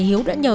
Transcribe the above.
hiếu đã nhờ